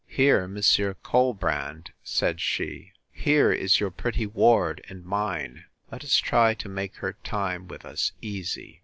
Here, Monsieur Colbrand, said she, here is your pretty ward and mine; let us try to make her time with us easy.